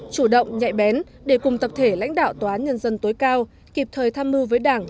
chủ động nhạy bén để cùng tập thể lãnh đạo tòa án nhân dân tối cao kịp thời tham mưu với đảng